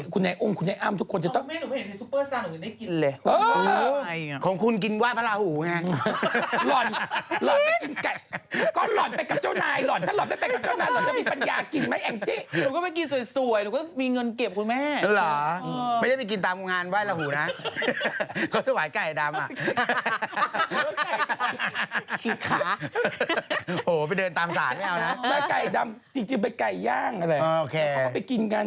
เขาก็มีอาหารแอฟริกัน